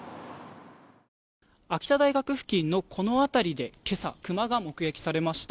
秋田大学付近のこの辺りで今朝、クマが目撃されました。